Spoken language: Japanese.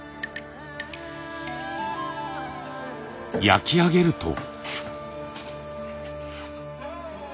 焼き上げると。